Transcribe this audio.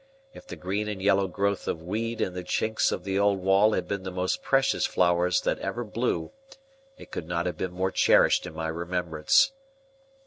If the green and yellow growth of weed in the chinks of the old wall had been the most precious flowers that ever blew, it could not have been more cherished in my remembrance.